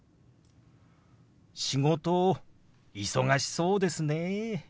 「仕事忙しそうですね」。